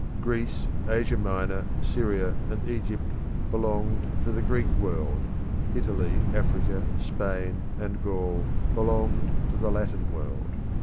Greece, Asia Minor, Syria, and Egypt belonged to the Greek world: Italy, Africa, Spain, and Gaul belonged to the Latin world.